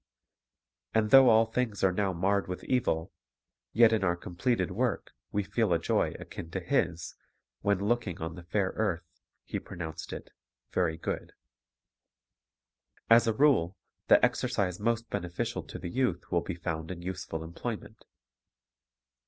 And though all things are now marred with evil, yet in our com pleted work we feel a joy akin to His, when, looking on the fair earth, He pronounced it "very good." As a rule, the exercise most beneficial to the youth will be found in useful employment.